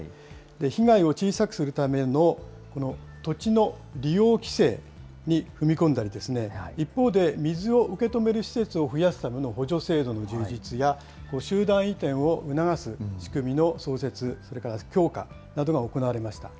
被害を小さくするための土地の利用規制に踏み込んだり、一方で、水を受け止める施設を増やすための補助制度の充実や、集団移転を促す仕組みの創設、それから強化などが行われました。